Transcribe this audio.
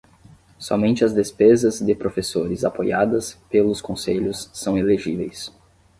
Somente as despesas de professores apoiadas pelos conselhos são elegíveis.